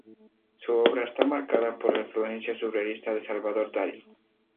Su obra está marcada por la influencia surrealista de Salvador Dalí.